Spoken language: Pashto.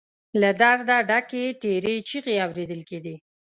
له درده ډکې تېرې چيغې اورېدل کېدې.